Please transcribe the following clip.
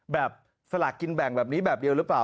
สลากกินแบ่งแบบนี้แบบเดียวหรือเปล่า